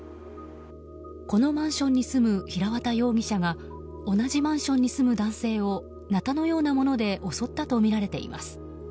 このマンションに住む平綿容疑者が同じマンションに住む男性をナタのようなもので襲ったとみられています。